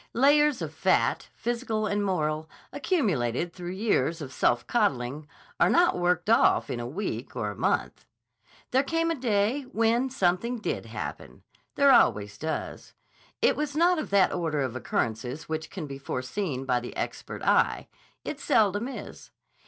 Layers of fat, physical and moral, accumulated through years of self coddling, are not worked off in a week or a month. There came a day when something did happen. There always does. It was not of that order of occurrences which can be foreseen by the expert eye. It seldom is.